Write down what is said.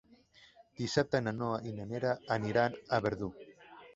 Dissabte na Noa i na Lea aniran a Verdú.